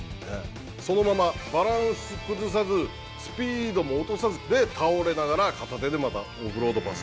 そのままバランス崩さず、スピードも落とさず、で、倒れながら片手でまたオフロードパス。